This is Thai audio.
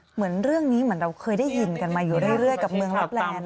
เหมือนเรื่องนี้เหมือนเราเคยได้ยินกันมาอยู่เรื่อยกับเมืองลับแลนด